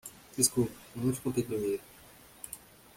Desculpe, eu não te contei primeiro.